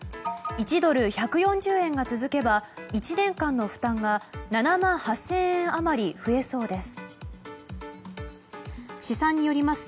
１ドル＝１４０円が続けば１年間の負担が７万８０００円余り増えそうです。